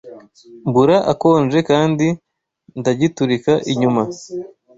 mbura akonje kandi ndagiturika inyuma